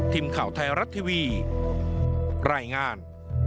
ทีมข่าวไทยรัฐทีวีรายงาน